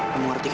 kamu ngerti kak